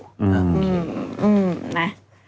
อืม